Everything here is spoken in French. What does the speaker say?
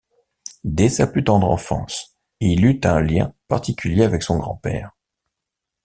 Dès sa plus tendre enfance, il eut un lien particulier avec son grand-père.